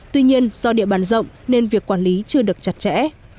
tuy nhiên do địa bàn rộng nên việc quản lý chưa được chặt chẽ